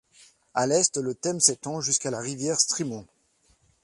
À l'est, le thème s'étend jusqu'à la rivière Strymon.